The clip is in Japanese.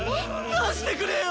出してくれよ。